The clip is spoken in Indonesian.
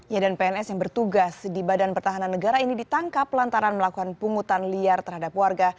ya dan pns yang bertugas di badan pertahanan negara ini ditangkap lantaran melakukan pungutan liar terhadap warga